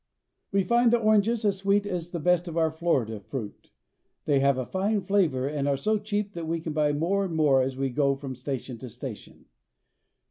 We find the oranges as sweet as the best of our Florida fruit. They have a fine flavor, and are so cheap that we buy more and more as we go from station to station.